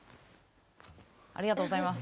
ありがとうございます。